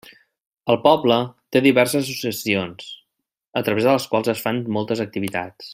El poble té diverses associacions, a través de les quals es fan moltes activitats.